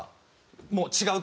もう違う曲。